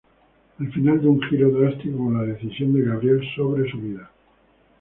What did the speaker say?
El final da un giro drástico con la decisión de Gabriel sobre su vida.